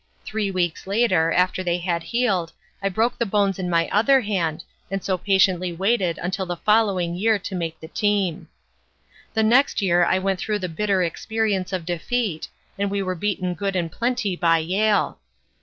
Three weeks later, after they had healed I broke the bones in my other hand and so patiently waited until the following year to make the team. "The next year I went through the bitter experience of defeat, and we were beaten good and plenty by Yale.